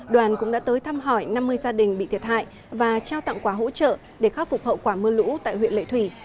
đoàn cũng đã tới thăm hỏi năm mươi gia đình bị thiệt hại và trao tặng quà hỗ trợ để khắc phục hậu quả mưa lũ tại huyện lệ thủy